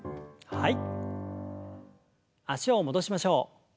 はい。